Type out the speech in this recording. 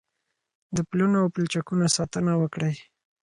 د پلونو او پلچکونو ساتنه وکړئ.